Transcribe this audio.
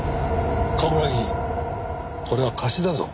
冠城これは貸しだぞ。